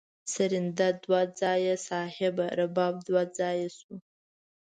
سرینده دوه ځایه صاحبه رباب دوه ځایه شو.